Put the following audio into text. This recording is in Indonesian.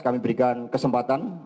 kami berikan kesempatan